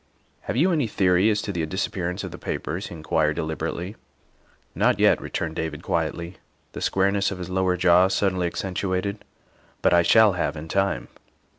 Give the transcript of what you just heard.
'' Have you any theory as to the disappearance of the papers?" he inquired deliberately. '' Not yet, '' returned David quietly, the squareness of his lower jaw suddenly accentuated, " but I shall have in time."